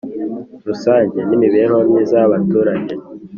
Rusange n Imibereho Myiza y Abaturage